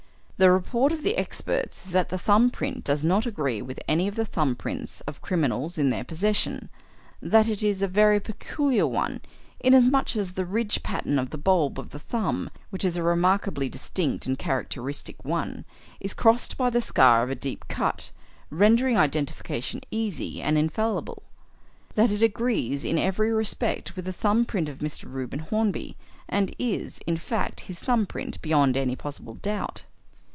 The report of the experts is that the thumb print does not agree with any of the thumb prints of criminals in their possession; that it is a very peculiar one, inasmuch as the ridge pattern on the bulb of the thumb which is a remarkably distinct and characteristic one is crossed by the scar of a deep cut, rendering identification easy and infallible; that it agrees in every respect with the thumb print of Mr. Reuben Hornby, and is, in fact, his thumb print beyond any possible doubt."